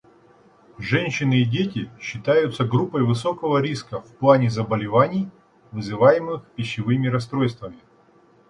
Женщины и дети считаются группой высокого риска в плане заболеваний, вызываемых пищевыми расстройствами.